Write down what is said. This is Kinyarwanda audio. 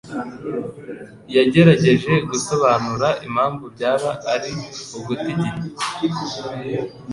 yagerageje gusobanura impamvu byaba ari uguta igihe.